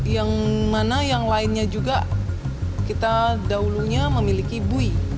yang mana yang lainnya juga kita dahulunya memiliki bui